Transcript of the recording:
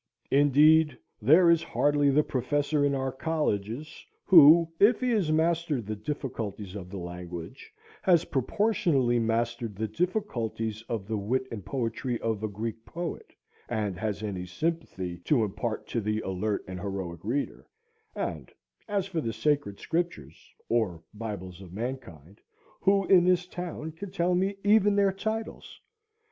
Indeed, there is hardly the professor in our colleges, who, if he has mastered the difficulties of the language, has proportionally mastered the difficulties of the wit and poetry of a Greek poet, and has any sympathy to impart to the alert and heroic reader; and as for the sacred Scriptures, or Bibles of mankind, who in this town can tell me even their titles?